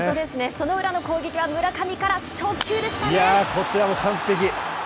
その裏の攻撃はこちらも完璧。